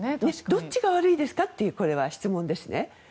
どっちが悪いですかという質問ですね。